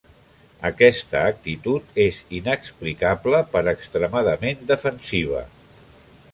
Aquesta actitud és inexplicable per extremadament defensiva.